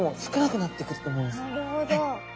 なるほど。